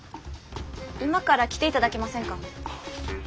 今から来て頂けませんか？